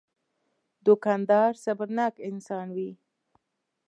دوکاندار صبرناک انسان وي.